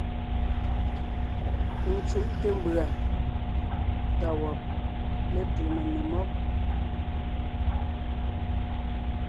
Ńcúʼte mbʉ̀a tá wɔb létu menò mɔ́b.